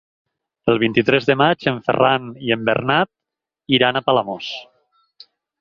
El vint-i-tres de maig en Ferran i en Bernat iran a Palamós.